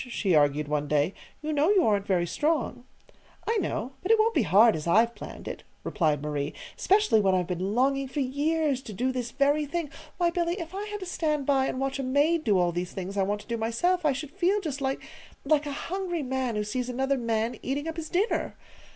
she argued one day. "You know you aren't very strong." "I know; but it won't be hard, as I've planned it," replied Marie, "specially when I've been longing for years to do this very thing. Why, Billy, if I had to stand by and watch a maid do all these things I want to do myself, I should feel just like like a hungry man who sees another man eating up his dinner!